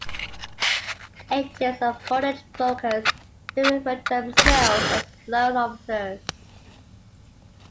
Agents of mortgage brokers may refer to themselves as "loan officers".